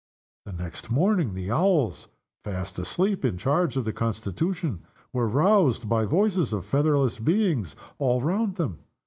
The next morning, the Owls fast asleep in charge of the Constitution were roused by voices of featherless beings all round them.